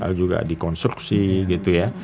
lalu juga di konstruksi gitu ya